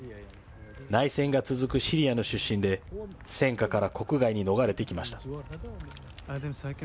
内戦が続くシリアの出身で、戦禍から国外に逃れてきました。